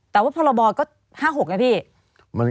แต่ว่าพรบก็๕๖ไงพี่